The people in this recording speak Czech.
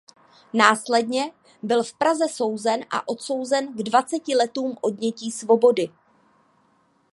Následně byl v Praze souzen a odsouzen k dvaceti letům odnětí svobody.